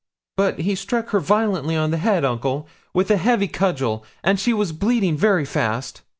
'But he struck her violently on the head, uncle, with a heavy cudgel, and she was bleeding very fast.'